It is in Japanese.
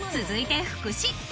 続いて福士。